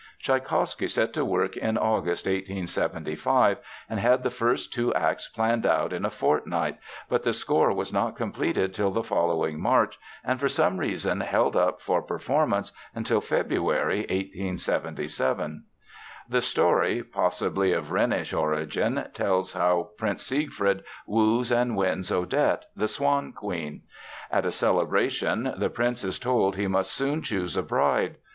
Tschaikowsky set to work in August, 1875, and had the first two acts planned out in a fortnight, but the score was not completed till the following March and for some reason held up for performance until February, 1877. The story, possibly of Rhenish origin, tells how Prince Siegfried woos and wins Odette, the Swan Queen. At a celebration the prince is told he must soon choose a bride.